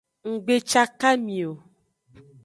Nggbecakami o.